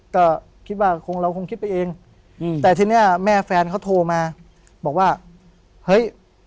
ก็คิดว่าคงเราคงคิดไปเองอืมแต่ทีเนี้ยแม่แฟนเขาโทรมาบอกว่าเฮ้ย